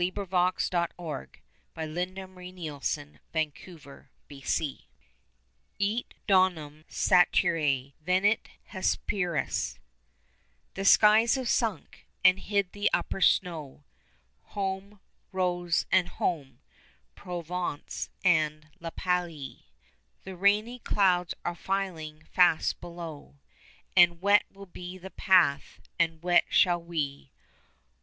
COLERIDGE. HOME, ROSE, AND HOME, PROVENCE AND LA PALIE ITE DOMUM SATURAE, VENIT HESPERUS The skies have sunk, and hid the upper snow, (Home, Rose, and home, Provence and La Palie,) The rainy clouds are filing fast below, And wet will be the path, and wet shall we.